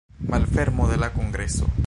Malfermo de la kongreso.